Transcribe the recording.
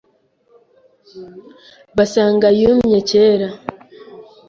basanga yumye kera